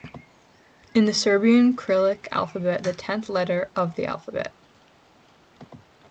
In the Serbian Cyrillic alphabet, is the tenth letter of the alphabet.